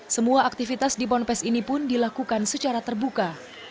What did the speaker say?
semua aktivitas di ponpes ini pun dilakukan secara terbuka